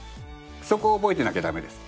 そこを覚えてなきゃダメです。